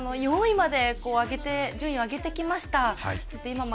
４位まで順位を上げてきました。